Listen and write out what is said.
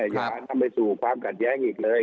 ยาลต์เขาจะไปสู้ความกันแย่งอีกเลย